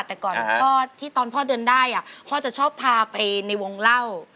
แต่ก่อนพ่อที่ตอนพ่อเดินได้พ่อจะชอบพาไปในวงเล่า